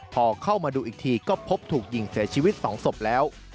พอเข้ามาดูอีกทีก็พบถูกยิงเสียชีวิต๒ศพแล้ว